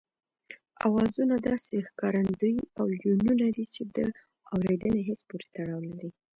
آوازونه داسې ښکارندې او يوونونه دي چې د اورېدني حس پورې تړاو لري